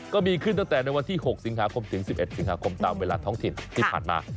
ก็มีขึ้นตั้งแต่ในวันที่๖สิงหาคมถึง๑๑สิงหาคมตามเวลาท้องถิ่นที่ผ่านมา